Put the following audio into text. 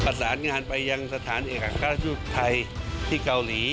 ประสานงานไปยังสถานเอกอัครราชทูตไทยที่เกาหลี